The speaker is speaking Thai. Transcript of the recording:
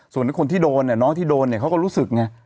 ส่วนคนที่โดนเนี่ยน้องที่โดนเนี่ยเขาก็รู้สึกไง